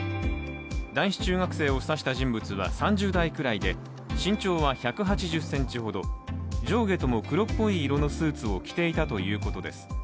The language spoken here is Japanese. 男子中学生を指した人物は３０歳ぐらいで身長は１８０ｃｍほど、上下とも黒っぽい色のスーツを着ていたということです。